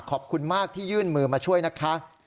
ขอบคุณมากที่ยื่นมือมาช่วยนะคะ